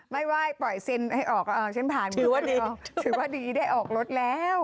ไม่ไหว้ปล่อยเซ็นให้ออกถือว่าดีได้ออกรถแล้ว